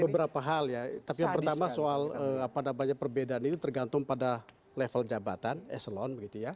beberapa hal ya tapi yang pertama soal apa namanya perbedaan itu tergantung pada level jabatan eselon